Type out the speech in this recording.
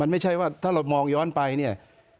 ไม่ใช่ว่าถ้าเรามองย้อนไปเนี่ย